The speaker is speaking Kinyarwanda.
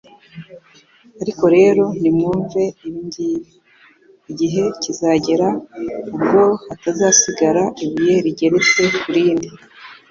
ariko rero nimwumve ibi ngibi: «Igihe kizagera ubwo hatazasigara ibuye rigeretse ku rindi